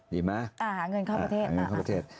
ดีไหมอ่าเงินข้อประเทศอ่าเงินข้อประเทศ